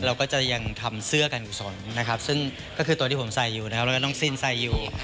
เราก็จะยังทำเสื้อการกุศลนะครับซึ่งก็คือตัวที่ผมใส่อยู่นะครับแล้วก็น้องซินใส่อยู่